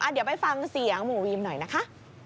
เดี๋ยวไปฟังเสียงหมู่วีมหน่อยนะคะ